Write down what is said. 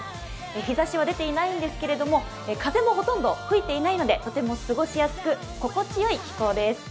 日ざしは出ていないんですけれども風もほとんど吹いていないので心地よい気候です。